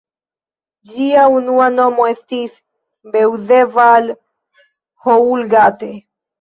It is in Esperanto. Ĝia unua nomo estis "Beuzeval-Houlgate".